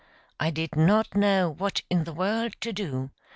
I did not know what in the world to do.